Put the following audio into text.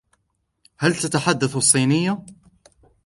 هل تتحدث الصينية ؟